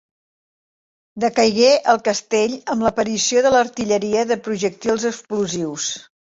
Decaigué el castell amb l'aparició de l'artilleria de projectils explosius.